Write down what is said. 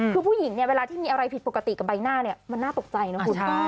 คือผู้หญิงเนี่ยเวลาที่มีอะไรผิดปกติกับใบหน้าเนี่ยมันน่าตกใจนะคุณ